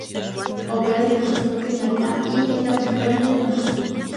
Opera servicios entre Tokio y Narita, y es la principal línea de la empresa.